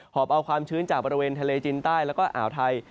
อบเอาความชื้นจากบริเวณทะเลจีนใต้แล้วก็อ่าวไทย